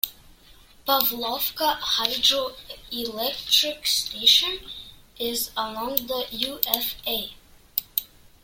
Pavlovka Hydroelectric Station is along the Ufa.